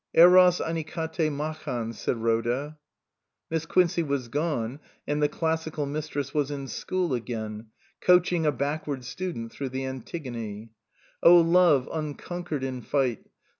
" Eros anikate machan" said Rhoda. Miss Quincey was gone and the Classical Mistress was in school again, coaching a back ward student through the " Antigone." " Oh Love, unconquered in fight.